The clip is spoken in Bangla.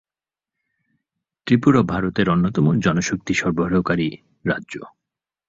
ত্রিপুরা ভারতের অন্যতম জনশক্তি সরবরাহকারী রাজ্য।